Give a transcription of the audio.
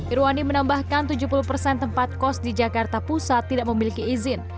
irwandi menambahkan tujuh puluh persen tempat kos di jakarta pusat tidak memiliki izin